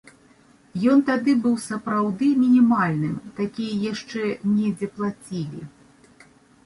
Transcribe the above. Ён тады быў сапраўды мінімальным, такія яшчэ недзе плацілі.